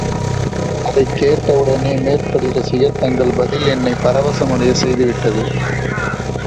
அதைக் கேட்ட உடனே மேற்படி ரசிகர், தங்கள் பதில் என்னைப் பரவசமடையச் செய்து விட்டது.